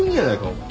お前。